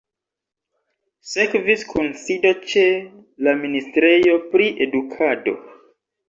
Sekvis kunsido ĉe la ministrejo pri edukado.